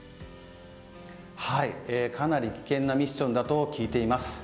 かなり危険なミッションだと聞いています。